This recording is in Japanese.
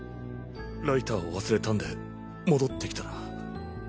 ライターを忘れたんで戻ってきたら。